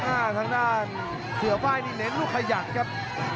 อ้าทางด้านเสื้อป้ายนี้เน้นลูกขยันครับ